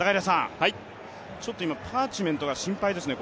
ちょっと今、パーチメントが心配ですね。